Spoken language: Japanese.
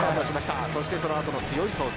そしてそのあとの強い送球